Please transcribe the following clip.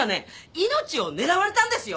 命を狙われたんですよ